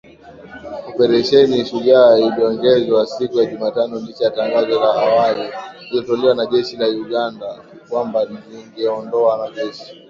Operesheni Shujaa iliongezwa siku ya Jumatano licha ya tangazo la awali lililotolewa na jeshi la Uganda kwamba lingeondoa wanajeshi .